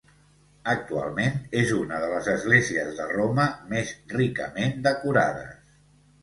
Actualment, és una de les esglésies de Roma més ricament decorades.